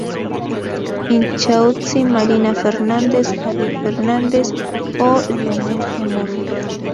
Inchausti, Marina Fernández, Javier Fernández o Lionel G. Morris.